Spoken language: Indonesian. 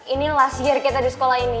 ini last year kita di sekolah ini